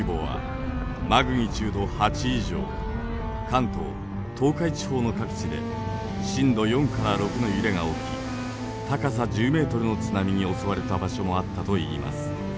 関東東海地方の各地で震度４から６の揺れが起き高さ１０ｍの津波に襲われた場所もあったといいます。